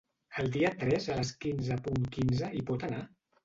El dia tres a les quinze punt quinze hi pot anar?